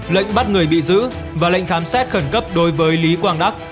lệnh bắt người bị giữ và lệnh khám xét khẩn cấp đối với lý quang đắc